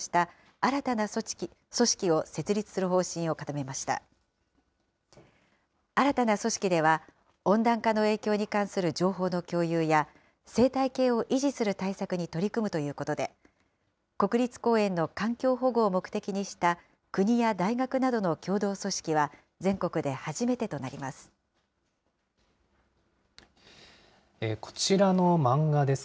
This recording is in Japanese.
新たな組織では、温暖化の影響に関する情報の共有や、生態系を維持する対策に取り組むということで、国立公園の環境保護を目的にした国や大学などの共同組織は全国で初めてとなります。